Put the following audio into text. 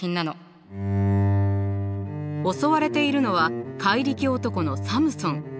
襲われているのは怪力男のサムソン。